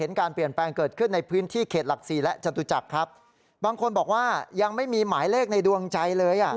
ไม่แนะนำไม่ได้